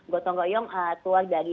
gotonggol yang keluar dari